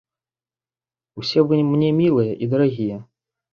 Усе вы мне мілыя і дарагія.